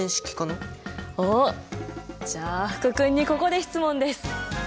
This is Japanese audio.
じゃあ福君にここで質問です。